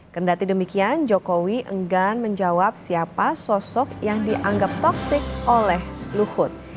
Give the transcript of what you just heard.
kendati demikian jokowi enggan menjawab siapa sosok yang dianggap toksik oleh luhut